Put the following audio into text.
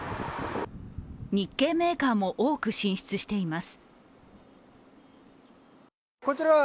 日系メーカーも多く進出しています。